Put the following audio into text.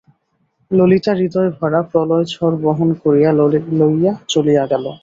ললিতা হৃদয়-ভরা প্রলয়ঝড় বহন করিয়া লইয়া চলিয়া গেল।